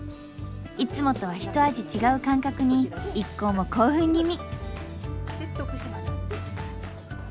いつもとはひと味違う感覚に一行も興奮気味。